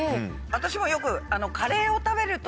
私もよく。